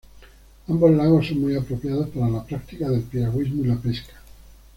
Ambos lagos son muy apropiados para la práctica del piragüismo y la pesca.